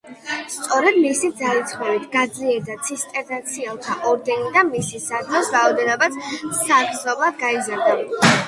სწორედ მისი ძალისხმევით გაძლიერდა ცისტერციანელთა ორდენი და მისი საძმოს რაოდენობაც საგრძნობლად გაიზარდა.